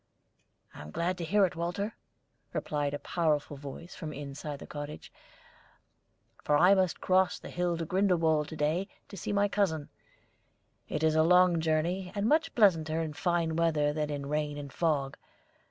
"I am glad to hear it, Walter," replied a powerful voice from inside the cottage, "for I must cross the hill to Grindelwald to day to see my cousin. It is a long journey, and much pleasanter in fine weather than in rain and fog.